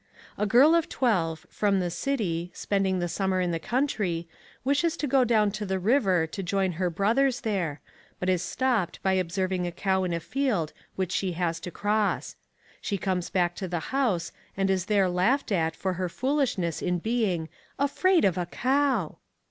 A girl of twelve, from the city, spending the summer in the country, wishes to go down to the river to join her brothers there, but is stopped by observing a cow in a field which she has to cross. She comes back to the house, and is there laughed at for her foolishness in being; "afraid of a cow!"